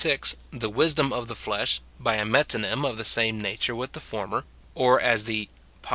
6, the "wisdom of the flesh," bj a metonymy of the same nature with the former ; or as the 'ifo.